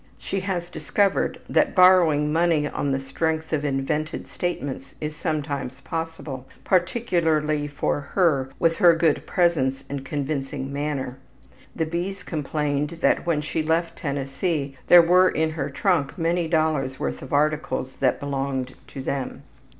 She has discovered that borrowing money on the strength of invented statements is sometimes possible, particularly for her with her good presence and convincing manner. The B.'s complained that when she left Tennessee there were in her trunk many dollars' worth of articles that belonged to them.